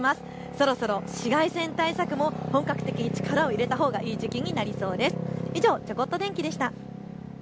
そろそろ紫外線対策も本格的に力を入れたほうがいい時期になってきました。